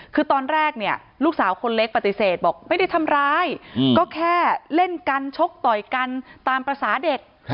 คือตอนแรกเนี่ยลูกสาวคนเล็กปฏิเสธบอกไม่ได้ทำร้ายก็แค่เล่นกันชกต่อยกันตามภาษาเด็ก